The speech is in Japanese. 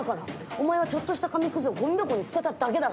お前はちょっとした紙くずをごみ箱に捨てただけだから。